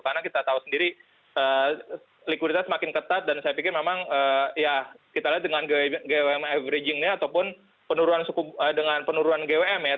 karena kita tahu sendiri likuiditas semakin ketat dan saya pikir memang ya kita lihat dengan gwm averagingnya ataupun penurunan gwm ya